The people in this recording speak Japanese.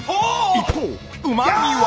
一方うま味は。